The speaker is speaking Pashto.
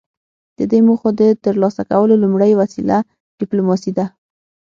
د دې موخو د ترلاسه کولو لومړۍ وسیله ډیپلوماسي ده